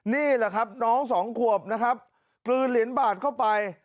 นี่แหละครับน้องสองขวบนะครับกลืนเหรียญบาทเข้าไป